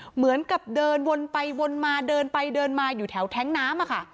เหมือนกับเดินวนไปวนมาเดินไปเดินมาอยู่แถวแท้งน้ำค่ะ